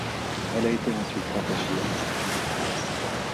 Elle a été ensuite rattachée à l'Institut de France.